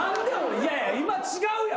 いやいや今違うやん。